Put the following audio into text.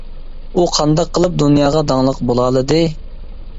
ئۇ قانداق قىلىپ دۇنياغا داڭلىق بولالىدى؟ !